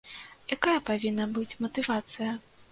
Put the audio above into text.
Якая павінна быць матывацыя?